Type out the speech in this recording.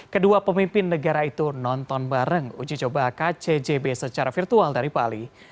kedua pemimpin negara itu nonton bareng uji coba kcjb secara virtual dari bali